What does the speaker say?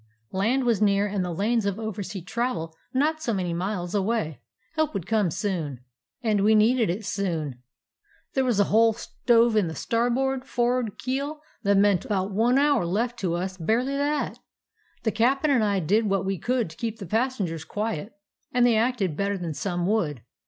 Land was near and the lanes of oversea travel not many miles away. Help would come soon. "And we needed it soon. There was a hole stove in the starboard for'ard keel that meant about one hour left to us; barely that. The cap'n and I did what we could to keep the pas sengers quiet, and they acted better than some would.